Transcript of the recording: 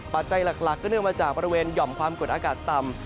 ปัจจัยหลักก็เนื่องมาจากบริเวณหย่อมความกดอากาศต่ำ